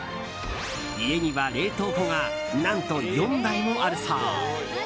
家には冷凍庫が何と４台もあるそう。